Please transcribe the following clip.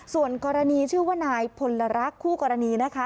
ส่วนกรณีชื่อว่านายพลรักคู่กรณีนะคะ